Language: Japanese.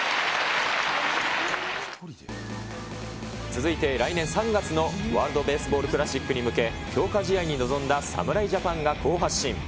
続いて、来年３月のワールドベースボールクラシックに向け、強化試合に臨んだ侍ジャパンが好発進。